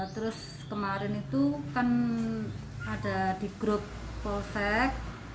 terus kemarin itu kan ada di grup polsek